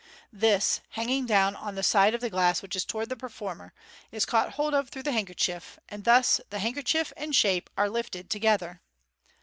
This, hanging down on the side of the glass which is toward the performer, is caught hold of through the handkerchief, and thus handkerchief and shape are lifted t» J gether.